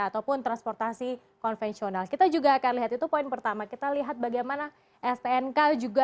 ataupun transportasi konvensional kita juga akan lihat itu poin pertama kita lihatkan bagaimana revisi peraturan menteri perhubungan